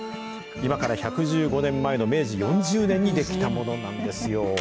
今から１１５年前の明治４０年に出来たものなんですよ。